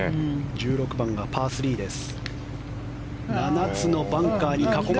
１６番がパー３です。